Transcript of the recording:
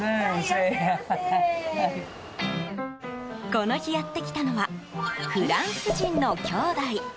この日やってきたのはフランス人の兄弟。